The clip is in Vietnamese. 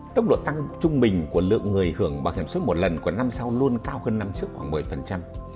tốc độ tăng trung bình của lượng người hưởng bảo hiểm xuất một lần của năm sau luôn cao hơn năm trước khoảng một mươi